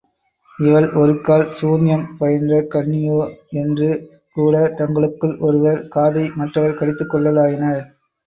இவள் ஒருக்கால், சூன்யம் பயின்ற கன்னியோ? என்று கூட தங்களுக்குள் ஒருவர் காதை மற்றவர் கடித்துக் கொள்ளலாயினர்.